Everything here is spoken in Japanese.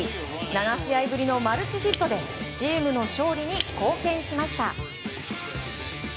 ７試合ぶりのマルチヒットでチームの勝利に貢献しました。